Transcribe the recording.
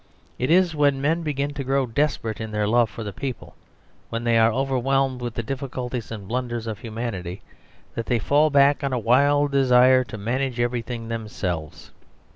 It is when men begin to grow desperate in their love for the people, when they are overwhelmed with the difficulties and blunders of humanity, that they fall back upon a wild desire to manage everything themselves.